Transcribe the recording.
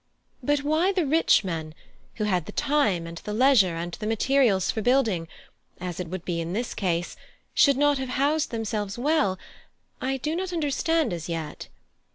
But why the rich men, who had the time and the leisure and the materials for building, as it would be in this case, should not have housed themselves well, I do not understand as yet.